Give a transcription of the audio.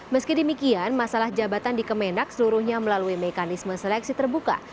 meski demikian masalah jabatan di kemenak seluruhnya melalui mekanisme seleksi terbuka